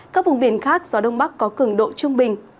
các vùng biển khác gió đông bắc có cường độ trung bình